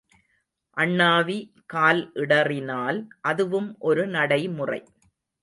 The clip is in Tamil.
அண்ணாவி கால் இடறினால் அதுவும் ஒரு நடைமுறை.